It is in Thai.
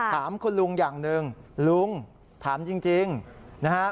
ถามคุณลุงอย่างหนึ่งลุงถามจริงนะฮะ